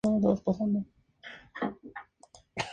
La primera es la más conocida de todas.